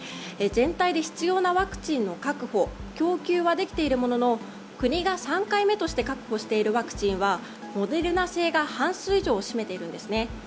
全体で必要なワクチンの確保、供給はできているものの国が３回目として確保しているワクチンはモデルナ製が半数以上を占めているんですね。